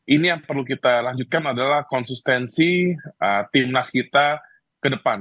ini yang perlu kita lanjutkan adalah konsistensi timnas kita ke depan